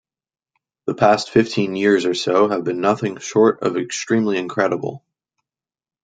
The past fifteen years or so have been nothing short of extremely incredible.